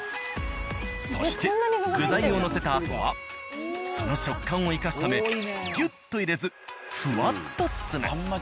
そして具材をのせたあとはその食感を生かすためギュッと入れずふわっと包む。